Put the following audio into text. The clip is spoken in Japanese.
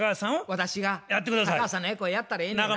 私が高橋さんの役をやったらええんやな。